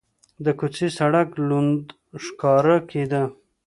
د کوڅې سړک لوند ښکاره کېده.